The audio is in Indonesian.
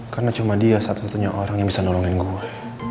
karena cuma dia satu satunya orang yang bisa nolongin gue